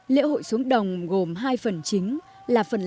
lễ hội xuống đồng gồm hai phần chính là phần lễ và phần hội